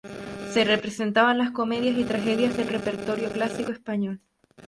Se representaban las comedias y tragedias del repertorio clásico español.